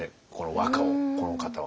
和歌をこの方は。